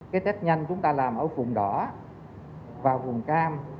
cái test nhanh chúng ta làm ở vùng đỏ và vùng cam